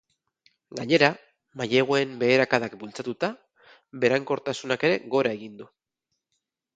Gainera, maileguen beherakadak bultzatuta, berankortasunak ere gora egin du.